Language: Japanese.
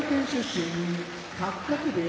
八角部屋